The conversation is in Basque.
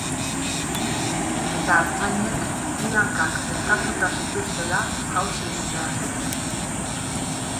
Eta artzainek, bi hankak elkartuta zituztela jauzi egin behar zuten.